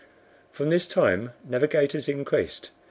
From this time navigators increased.